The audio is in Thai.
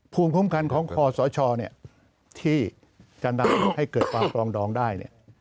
ภูมิคุ้มกันของคอสชที่จะนำให้เกิดความปลองดองได้